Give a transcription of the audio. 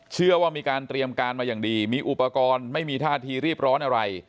เชื่อว่ามีการเตรียมการมาอย่างดีมีอุปกรณ์ไม่มีท่าทีรีบร้อนอะไร